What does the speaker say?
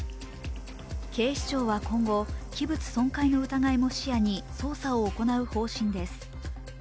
警視庁は今後、器物損壊の疑いも視野に捜査を行う方針です。